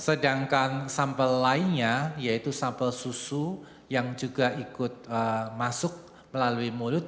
sedangkan sampel lainnya yaitu sampel susu yang juga ikut masuk melalui mulut